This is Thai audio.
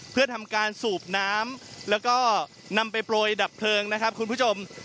เพื่อทำการสูบน้ำแล้วก็นำไปโปรยดับเพลิงนะครับคุณผู้ชม